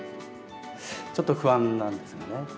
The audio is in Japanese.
ちょっと不安なんですよね。